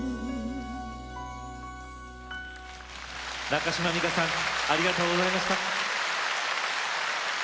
中島美嘉さんありがとうございました。